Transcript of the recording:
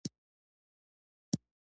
د بازار موندنه د میوو لپاره مهمه ده.